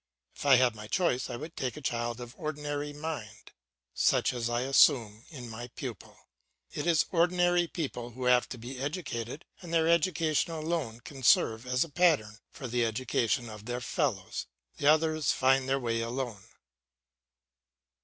If I had my choice I would take a child of ordinary mind, such as I assume in my pupil. It is ordinary people who have to be educated, and their education alone can serve as a pattern for the education of their fellows. The others find their way alone.